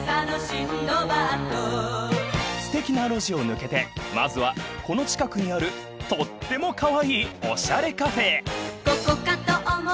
［すてきな路地を抜けてまずはこの近くにあるとってもカワイイおしゃれカフェへ］